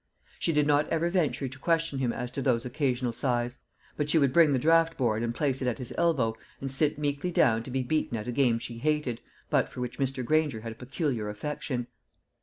She did not ever venture to question him as to those occasional sighs; but she would bring the draught board and place it at his elbow, and sit meekly down to be beaten at a game she hated, but for which Mr. Granger had a peculiar affection.